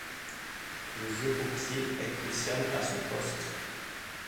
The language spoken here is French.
Le jeu au pied est crucial à ce poste.